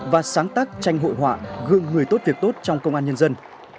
và sáng tác tranh hội họa gương người tốt việc tốt trong công an nhân dân